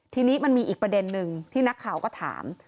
ทีนี้มันมีอีกประเด็นนึงที่นักข่าวก็ถาม